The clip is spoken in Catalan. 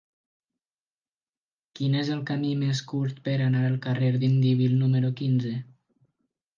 Quin és el camí més curt per anar al carrer d'Indíbil número quinze?